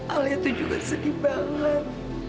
alia itu juga sedih banget